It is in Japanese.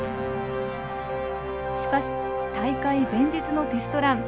しかし大会前日のテストラン。